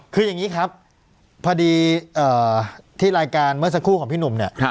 คืออย่างนี้ครับพอดีที่รายการเมื่อสักครู่ของพี่หนุ่มเนี่ย